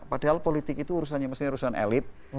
padahal politik itu urusannya urusan elit